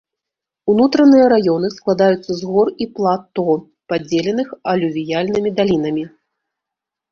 Унутраныя раёны складаюцца з гор і плато, падзеленых алювіяльнымі далінамі.